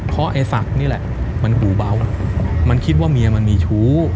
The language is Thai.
เพราะไอ้ศักดิ์นี่แหละมันหูเบามันคิดว่าเมียมันมีชู้